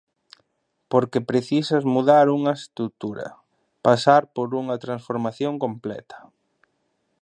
Porque precisas mudar unha estrutura, pasar por unha transformación completa.